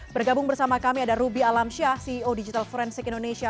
bergabung bersama kami ada ruby alamsyah ceo digital forensik indonesia